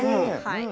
はい。